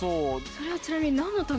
それはちなみに。